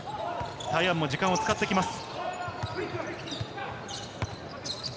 台湾も時間を使っていきます。